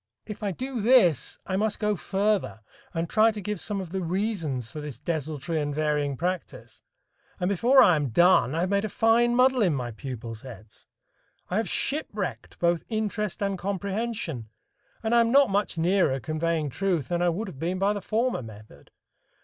If I do this, I must go further and try to give some of the reasons for this desultory and varying practice, and before I am done, I have made a fine muddle in my pupils' heads! I have shipwrecked both interest and comprehension, and I am not much nearer conveying truth than I would have been by the former method.